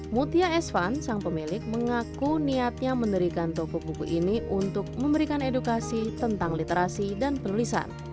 mutia esvan sang pemilik mengaku niatnya mendirikan toko buku ini untuk memberikan edukasi tentang literasi dan penulisan